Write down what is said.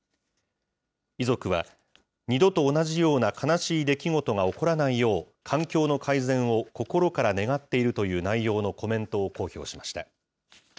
遺族は、二度と同じような悲しい出来事が起こらないよう、環境の改善を心から願っているという内容のコメントを公表しました。